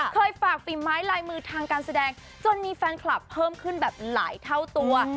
ฝากฝีไม้ลายมือทางการแสดงจนมีแฟนคลับเพิ่มขึ้นแบบหลายเท่าตัว